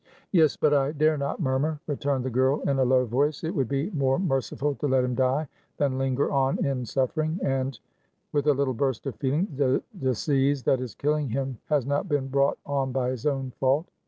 "Yes, but I dare not murmur," returned the girl, in a low voice. "It would be more merciful to let him die than linger on in suffering, and" with a little burst of feeling "the disease that is killing him has not been brought on by his own fault.